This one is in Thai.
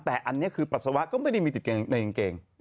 แต่อันนี้คือปัสสาวะก็ไม่ได้มีติดในกางเกง